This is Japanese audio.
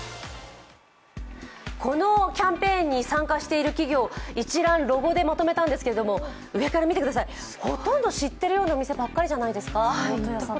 このキャンペーンに参加している企業、一覧、ロゴでまとめたんですけどほとんど知っているようなお店ばっかりじゃないですか。